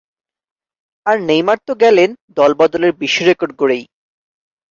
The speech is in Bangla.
আর নেইমার তো গেলেন দলবদলের বিশ্ব রেকর্ড গড়েই।